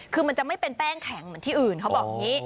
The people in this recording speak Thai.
คือมันจะไม่เป็นแป้งแข็งเหมือนที่อื่นเขาบอกอย่างนี้